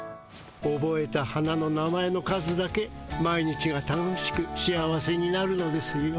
おぼえた花の名前の数だけ毎日が楽しく幸せになるのですよ。